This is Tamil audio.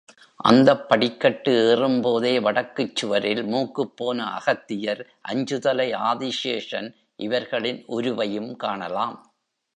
அந்தப் படிக்கட்டு ஏறும்போதே வடக்குச் சுவரில், மூக்குப்போன அகத்தியர், அஞ்சுதலை ஆதிசேஷன் இவர்களின் உருவையும் காணலாம்.